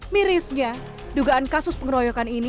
mirisnya dugaan kasus pengeroyokan ini